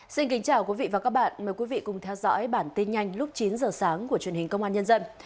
xin kính chào quý vị và các bạn mời quý vị cùng theo dõi bản tin nhanh lúc chín giờ sáng của truyền hình công an nhân dân